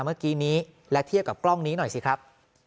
เมื่อกี้นี้และเทียบกับกล้องนี้หน่อยสิครับ